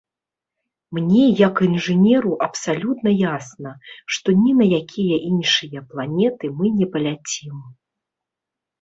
Мне як інжынеру абсалютна ясна, што ні на якія іншыя планеты мы не паляцім.